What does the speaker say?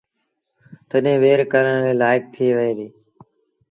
تڏهيݩ وهير ڪرڻ ري لآئيڪ ٿئي وهي دو